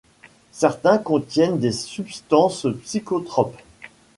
Certains contiennent des substances psychotropes.